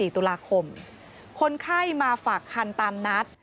๔ตุลาคมคนไข้มาฝากคันตามนัด